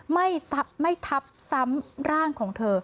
ไม่ทับซ้ำร่างของเธอ